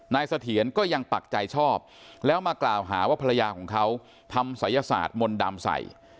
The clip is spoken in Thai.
เสถียรก็ยังปักใจชอบแล้วมากล่าวหาว่าภรรยาของเขาทำศัยศาสตร์มนต์ดำใส่